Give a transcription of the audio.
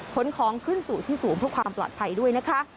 ขนของขึ้นสู่ที่สูงเพื่อความปลอดภัยด้วยนะคะ